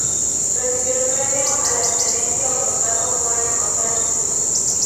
Recibió el Premio a la Excelencia, otorgado por el Rotary Club.